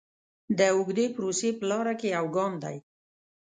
د اوږدې پروسې په لاره کې یو ګام دی.